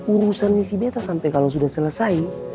urusan nih si betta sampe kalo sudah selesai